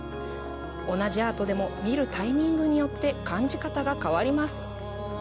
同じアートでも、見るタイミングによって感じ方が変わります。